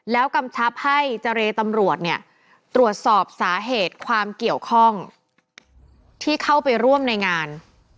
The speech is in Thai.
แล้วกำชับให้เจรตำรวจเนี่ยตรวจสอบสาเหตุความเกี่ยวข้องที่เข้าไปร่วมในงาน